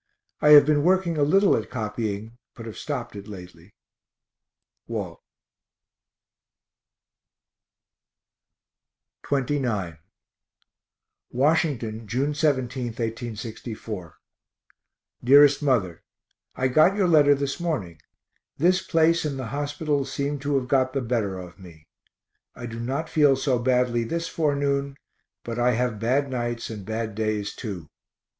I have been working a little at copying, but have stopt it lately. WALT. XXIX Washington, June 17, 1864. DEAREST MOTHER. I got your letter this morning. This place and the hospitals seem to have got the better of me. I do not feel so badly this forenoon but I have bad nights and bad days too.